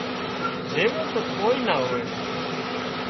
زووي تو ڪوئي نا هوئي